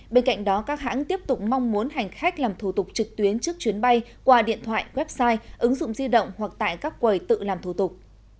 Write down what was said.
bên cạnh đó các hãng tiếp tục mong muốn hành khách làm thủ tục trực tuyến trước chuyến bay qua điện thoại website ứng dụng di động hoặc tại các quầy tự làm thủ tục